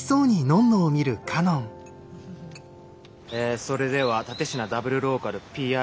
えそれでは蓼科ダブルローカルＰＲ